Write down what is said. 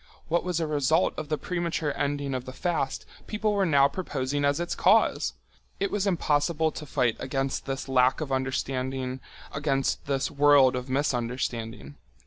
What was a result of the premature ending of the fast people were now proposing as its cause! It was impossible to fight against this lack of understanding, against this world of misunderstanding.